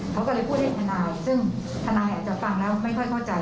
เขาก็เลยพูดให้ทนายซึ่งทนายอาจจะฟังแล้วไม่ค่อยเข้าใจ